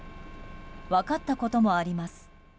分かったこともあります。